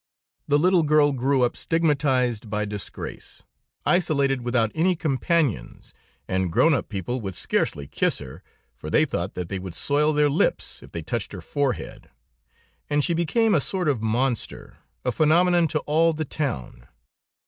"The little girl grew up stigmatized by disgrace, isolated without any companions, and grown up people would scarcely kiss her, for they thought that they would soil their lips if they touched her forehead, and she became a sort of monster, a phenomenon to all the town.